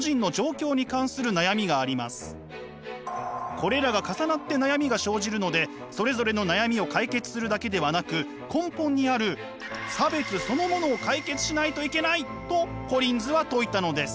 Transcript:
これらが重なって悩みが生じるのでそれぞれの悩みを解決するだけではなく根本にある差別そのものを解決しないといけないとコリンズは説いたのです。